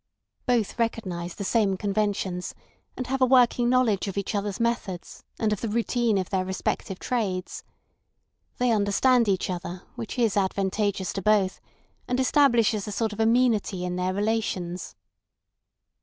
Both recognise the same conventions, and have a working knowledge of each other's methods and of the routine of their respective trades. They understand each other, which is advantageous to both, and establishes a sort of amenity in their relations.